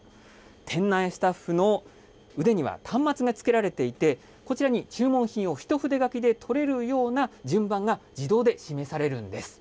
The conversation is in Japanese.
店内スタッフの腕には端末が着けられていて、こちらに注文品を一筆書きで取れるような順番が自動で示されるんです。